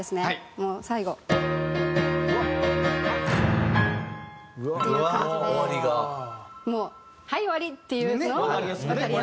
もう最後。っていう感じでもう「はい終わり」っていうのをわかりやすく。